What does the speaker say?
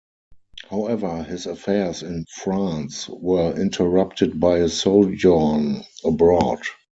However, his affairs in France were interrupted by a sojourn abroad.